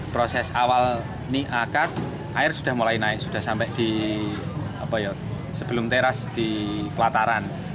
proses awal ini akar air sudah mulai naik sudah sampai di apa ya sebelum teras di pelataran